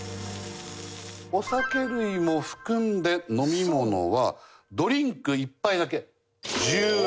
お酒類も含んで飲み物はドリンク１杯だけ１０円。